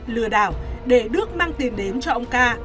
lừa đảo để đức mang tiền đến cho ông ca